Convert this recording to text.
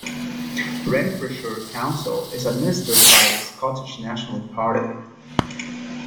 Renfrewshire Council is administered by the Scottish National Party.